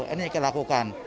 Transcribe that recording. ini kita lakukan